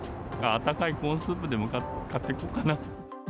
あったかいコーンスープでも買ってこうかな。